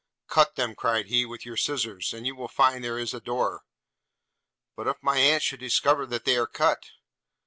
'Cut them,' cried he, 'with your scissars, and you will find there is a door.' 'But if my aunt should discover that they are cut?'